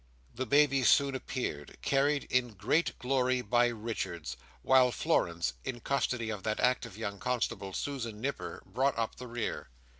The baby soon appeared, carried in great glory by Richards; while Florence, in custody of that active young constable, Susan Nipper, brought up the rear.